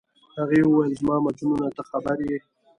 هغې وویل: زما مجنونه، ته خبر یې؟